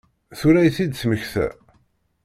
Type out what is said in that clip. Tura i t-id-temmekta?